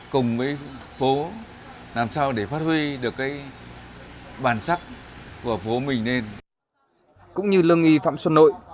cũng như lương nghi phạm xuân nội